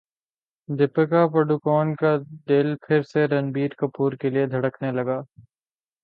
دپیکا پڈوکون کا دل پھر سے رنبیر کپور کے لیے دھڑکنے لگا